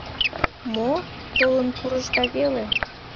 Мо... толын пурышда веле.